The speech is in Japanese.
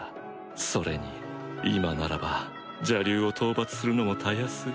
それに今ならば邪竜を討伐するのもたやすい